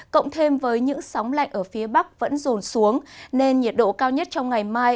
cộng thêm với những sóng lạnh ở phía bắc vẫn rồn xuống nên nhiệt độ cao nhất trong ngày mai